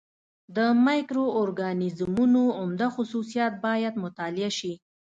د مایکرو اورګانیزمونو عمده خصوصیات باید مطالعه شي.